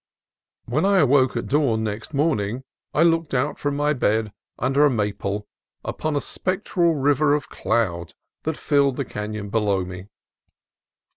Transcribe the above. When I awoke at dawn next morning, I looked out from my bed under a maple upon a spectral river of cloud that filled the canon below me.